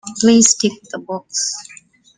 Please tick the box